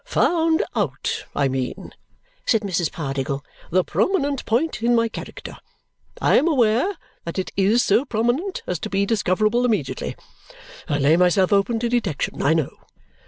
"Found out, I mean," said Mrs. Pardiggle, "the prominent point in my character. I am aware that it is so prominent as to be discoverable immediately. I lay myself open to detection, I know.